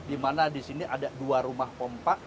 dimana di sini ada dua rumah pompa